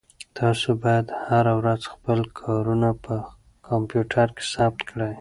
تاسو باید هره ورځ خپل کارونه په کمپیوټر کې ثبت کړئ.